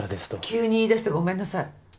急に言いだしてごめんなさい。